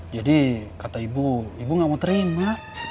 jadi kata ibu ibu gak mau terima